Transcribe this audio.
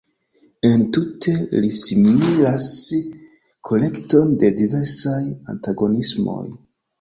Entute li similas kolekton de diversaj antagonismoj!